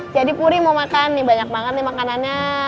jadi puri mau makan nih banyak banget nih makanannya